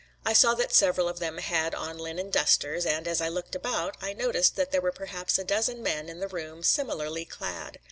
I saw that several of them had on linen dusters, and as I looked about, I noticed that there were perhaps a dozen men in the room similarly clad.